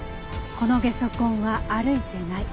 このゲソ痕は歩いてない。